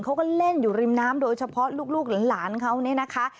เขาก็เล่นอยู่ริมน้ำโดยเฉพาะลูกหลานเขาเนี่ยนะคะ